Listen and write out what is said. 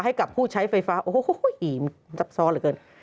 ให้กับผู้ใช้ไฟฟ้าโอ้โหมันซับซ้อนเหลือเกิน